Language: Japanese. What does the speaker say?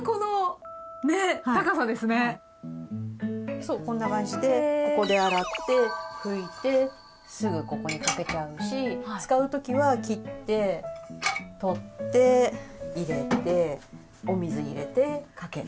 そうこんな感じでここで洗って拭いてすぐここに掛けちゃうし使う時は切って取って入れてお水入れてかける。